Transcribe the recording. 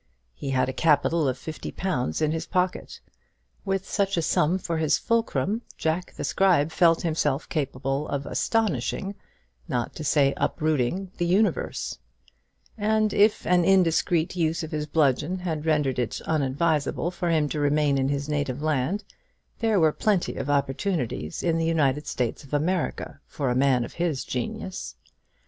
He had a capital of fifty pounds in his pocket. With such a sum for his fulcrum, Jack the Scribe felt himself capable of astonishing not to say uprooting the universe; and if an indiscreet use of his bludgeon had rendered it unadvisable for him to remain in his native land, there were plenty of opportunities in the United States of America for a man of his genius.